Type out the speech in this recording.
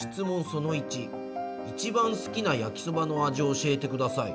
その１「一番好きな焼きそばの味を教えてください」。